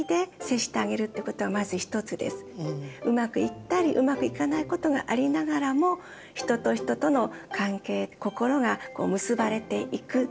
うまくいったりうまくいかないことがありながらも人と人との関係心が結ばれていく。